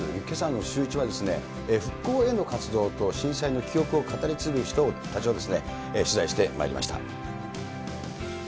けさのシューイチは、復興への活動と震災の記憶を語り継ぐ人たちを取材してまいりました。